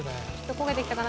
焦げてきたかな？